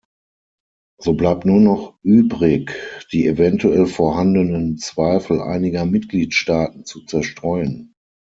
So bleibt nur noch übrig, die eventuell vorhandenen Zweifel einiger Mitgliedstaaten zu zerstreuen.